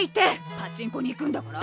パチンコに行くんだから。